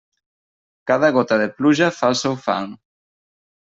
Cada gota de pluja fa el seu fang.